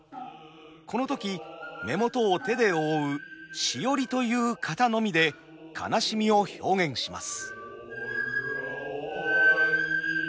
この時目元を手で覆う「シオリ」という型のみで哀しみを表現します。